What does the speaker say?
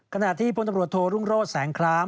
ขณะที่พลตำรวจโทรุ่งโรศแสงคล้าง